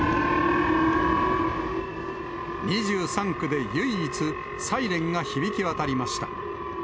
２３区で唯一、サイレンが響き渡りました。